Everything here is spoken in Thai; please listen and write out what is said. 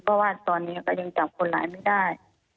เพราะว่าตอนนี้ก็ยังจับคนร้ายไม่ได้